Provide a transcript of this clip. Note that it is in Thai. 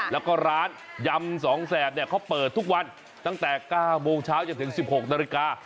แล้วก็ร้านยำสองแสบเนี่ยเขาเปิดทุกวันตั้งแต่๙โมงเช้าจนถึง๑๖นาฬิกา